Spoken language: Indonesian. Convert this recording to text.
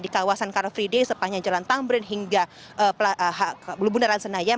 dari kawasan carl friede sepanjang jalan tambren hingga lubun dara senayan